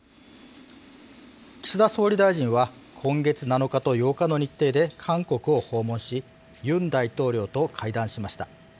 岸田総理大臣は今月７日と８日の日程で韓国を訪問しユン大統領と会談しました。